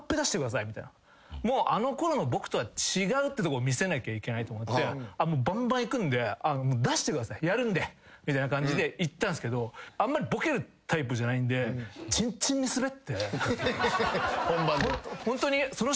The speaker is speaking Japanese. もうあのころの僕とは違うってとこを見せなきゃいけないと思って「バンバンいくんで出してくださいやるんで」みたいな感じで言ったんすけどあんまりボケるタイプじゃないんでちんちんにスベって。